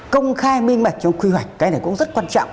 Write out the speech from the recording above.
công khai minh mạch trong quy hoạch cái này cũng rất quan trọng